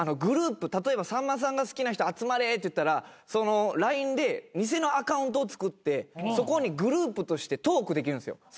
例えば「さんまさんが好きな人集まれ」っていったらＬＩＮＥで偽のアカウントを作ってそこにグループとしてトークできるんすよ。